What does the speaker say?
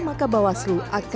maka bawaslu akan menangkapnya